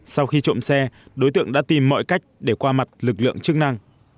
sau khi trộm xe đối tượng đã tìm mọi cách để qua mặt lực lượng chức năng